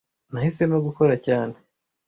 Nahisemo gukora cyane.